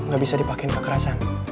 ga bisa dipakein kekerasan